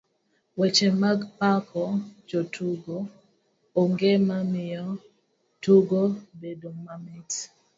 Weche mag pako jotugo onge mamiyo tugo bedo mamit.